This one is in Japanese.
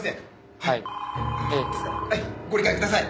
ええご理解ください。